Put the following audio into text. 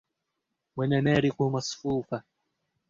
وَنَمَارِقُ مَصْفُوفَةٌ